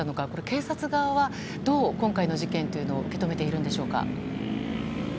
警察側は今回の事件というのをどう受け止めているんでしょうか。